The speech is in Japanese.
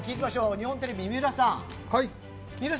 日本テレビ、三浦さん。